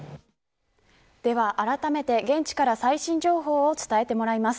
ではあらためて現地から最新情報を伝えてもらいます。